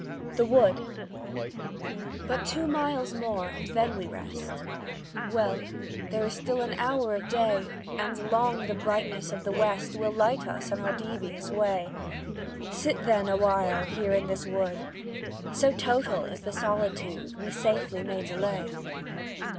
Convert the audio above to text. THE WOOD. But two miles more, and then we rest! Well, there is still an hour of day, And long the brightness of the West Will light us on our devious way; Sit then, awhile, here in this wood So total is the solitude, We safely may delay.